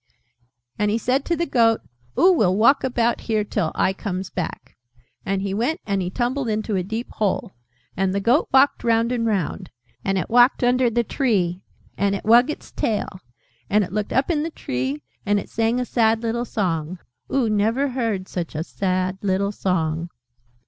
"And he said to the Goat, 'Oo will walk about here till I comes back.' And he went and he tumbled into a deep hole. And the Goat walked round and round. And it walked under the Tree. And it wug its tail. And it looked up in the Tree. And it sang a sad little Song. Oo never heard such a sad little Song!"